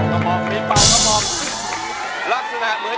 สวัสดีครับ